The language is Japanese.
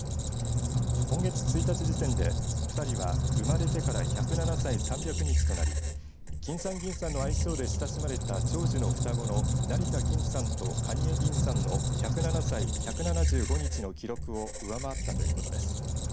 今月１日時点で２人は生まれてから１０７歳３００日となりきんさんぎんさんの愛称で親しまれた長寿の双子の成田きんさんと蟹江ぎんさんの１０７歳１７５日の記録を上回ったということです。